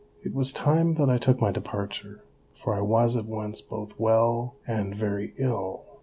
It was time that I took my departure, for I was at once both well and very ill.